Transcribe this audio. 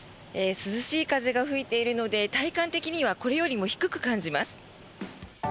涼しい風が吹いているので体感的にはこれよりも低く感じます。